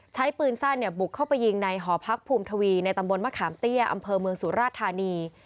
ใช้ปืนสั้นบุกเข้าไปยิงในหอพักภูมิทวีในตำบลมะขามเตี้ยอำเภอเมืองสุราชธานี